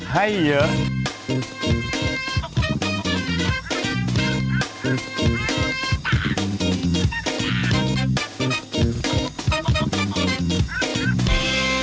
ให้เยอะ